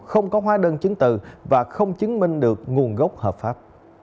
không có hóa đơn chứng từ và không chứng minh được nguồn gốc hợp pháp